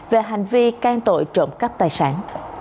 về hành vi can tội trộm cắp tài sản